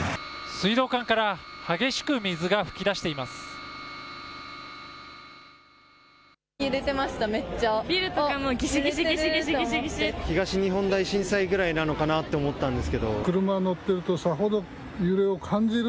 水道管から激しく水が噴き出しています。